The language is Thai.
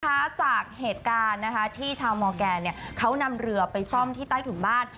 ค้าจากเหตุการณ์ที่ชาวมอร์แกนเขานำเรือไปซ่อมที่ใต้ถุงบ้าน